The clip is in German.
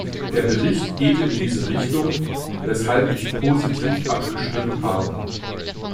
Der Bericht geht in diese Richtung, weshalb ich positiv abgestimmt habe.